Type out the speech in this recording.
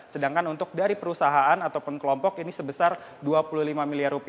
sedangkan untuk dari perusahaan ataupun kelompok ini sebesar rp dua puluh lima miliar